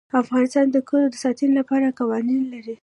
افغانستان د کلیو د ساتنې لپاره قوانین لري.